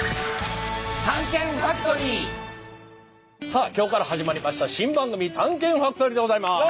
さあ今日から始まりました新番組「探検ファクトリー」でございます！